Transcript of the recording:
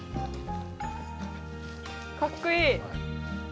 かっこいい。